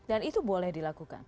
dan itu boleh dilakukan